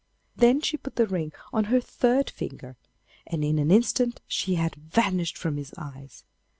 Then she put the ring on her third finger, and in an instant she had vanished from his eyes.